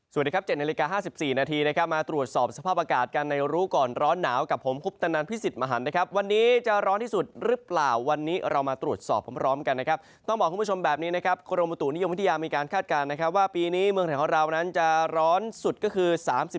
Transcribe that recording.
สวัสดีครับ๗นาฬิกา๕๔นาทีนะครับมาตรวจสอบสภาพอากาศกันในรู้ก่อนร้อนหนาวกับผมคุปตนันพิสิทธิ์มหันนะครับวันนี้จะร้อนที่สุดหรือเปล่าวันนี้เรามาตรวจสอบพร้อมกันนะครับต้องบอกคุณผู้ชมแบบนี้นะครับกรมบุตุนิยมวิทยามีการคาดการณ์นะครับว่าปีนี้เมืองไทยของเรานั้นจะร้อนสุดก็คือ๓๔